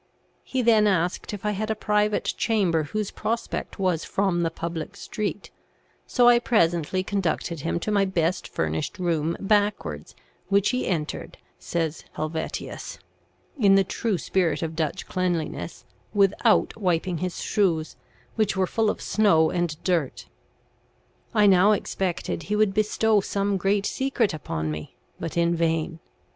He then asked if I had a private chamber whose prospect was from the public street; so I presently conducted him to my best furnished room backwards, which he entered, says Helvetius (in the true spirit of Dutch cleanliness), without wiping his shoes, which were full of snow and dirt. I now expected he would bestow some great secret upon me ; but in vain.